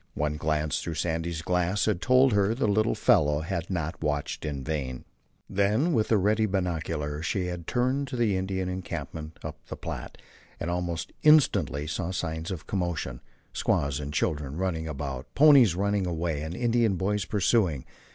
One glance through Sandy's glass had told her the little fellow had not watched in vain. Then, with the ready binocular, she had turned to the Indian encampment up the Platte, and almost instantly saw signs of commotion, squaws and children running about, ponies running away and Indian boys pursuing.